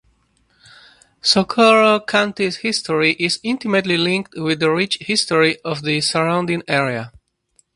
Socorro County's history is intimately linked with the rich history of the surrounding area.